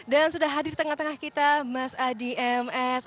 dan sudah hadir di tengah tengah kita mas adi ms